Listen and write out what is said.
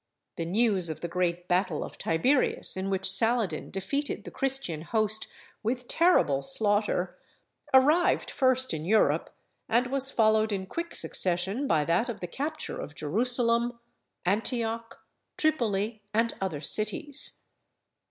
The news of the great battle of Tiberias, in which Saladin defeated the Christian host with terrible slaughter, arrived first in Europe, and was followed in quick succession by that of the capture of Jerusalem, Antioch, Tripoli, and other cities.